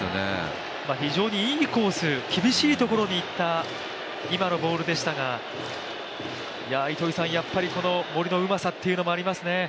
非常にいいコース、厳しいところにいった今のボールでしたがやっぱり森のうまさっていうのがありますね。